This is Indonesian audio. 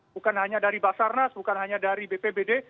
bukan hanya dari basarnas bukan hanya dari bpbd